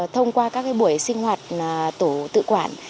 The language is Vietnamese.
thông qua các buổi sinh hoạt tổ tự quản